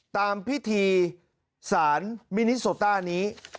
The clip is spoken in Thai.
ตามพิธีสารมินิโซต้านี้